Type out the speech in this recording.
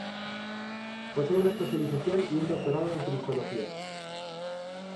Posee una especialización y un doctorado en cristología.